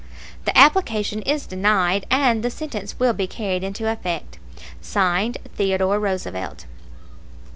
The application is denied and the sentence will be carried into effect. (Signed) THEODORE ROOSEVELT.